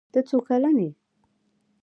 ته څو کلن یې؟